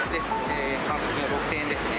反則金６０００円ですね。